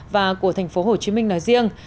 và của thành phố hồ chí minh nói riêng